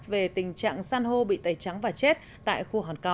về tình trạng san hô bị tẩy trắng và chết tại khu hòn cỏ